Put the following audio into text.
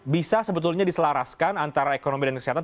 bisa sebetulnya diselaraskan antara ekonomi dan kesehatan